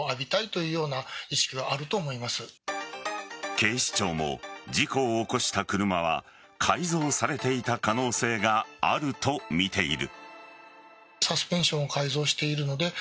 警視庁も事故を起こした車は改造されていた可能性があるとみている。